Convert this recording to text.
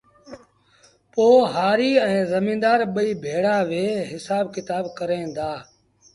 پوهآريٚ ائيٚݩ زميݩدآر ٻئي ڀيڙآ ويه هسآب ڪتآب ڪريݩ دآ